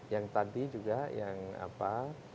yang tadi juga yang apa